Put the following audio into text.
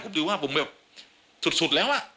คุณรู้ว่าผมอยู่ตรงชุดแล้วอ่ะ